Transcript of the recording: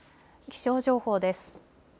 気象情報です。